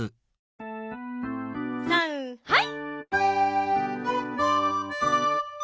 さんはい！